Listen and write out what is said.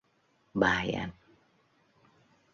Bye anh